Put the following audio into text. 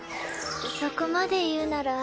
そこまで言うなら。